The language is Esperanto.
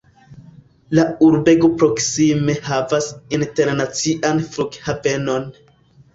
La urbego proksime havas internacian flughavenon.